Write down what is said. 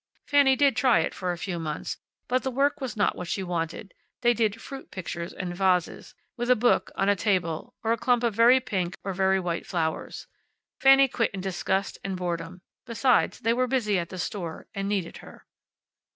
Fanny did try it for a few months, but the work was not what she wanted; they did fruit pictures and vases, with a book, on a table; or a clump of very pink and very white flowers. Fanny quit in disgust and boredom. Besides, they were busy at the store, and needed her.